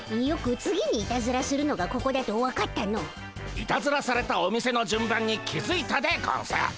いたずらされたお店の順番に気づいたでゴンス。